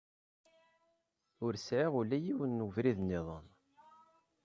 Ur sɛiɣ ula yiwen ubrid-nniḍen.